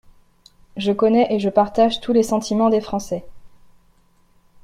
Je connais et je partage tous les sentimens des Français.